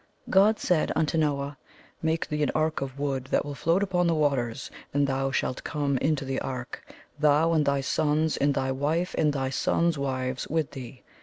God said unto Noah, ''Make thee an ark of wood that will float upon the waters, and thou shalt come into the ark; thou and thy sons, and thy wife and thy sons* wives with thee.